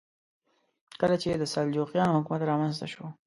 کله چې د سلجوقیانو حکومت رامنځته شو.